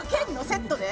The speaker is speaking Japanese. セットで？